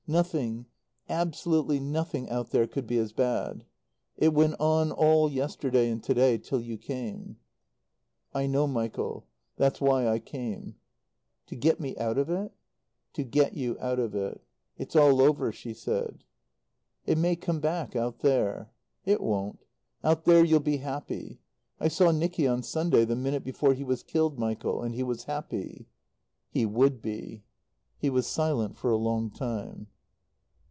Nothing absolutely nothing out there could be as bad. It went on all yesterday and to day till you came." "I know, Michael. That's why I came." "To get me out of it?" "To get you out of it. "It's all over," she said. "It may come back out there." "It won't. Out there you'll be happy. I saw Nicky on Sunday the minute before he was killed, Michael. And he was happy." "He would be." He was silent for a long time.